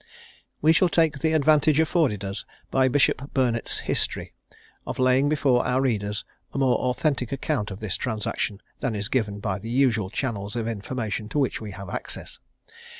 We shall take the advantage afforded us by Bishop Burnet's History, of laying before our readers a more authentic account of this transaction than is given by the usual channels of information to which we have access.